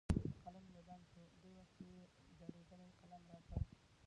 قلم مې بند شو، دې وخت کې یې زړېدلی قلم را کړ.